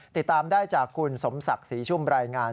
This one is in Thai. ติดตามได้จากคุณสมศักดิ์ศรีชุ่มรายงาน